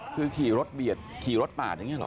คือขี่รถเบียดขี่รถปาดอย่างนี้หรอ